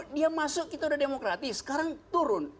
dia masuk kita udah demokratis sekarang turun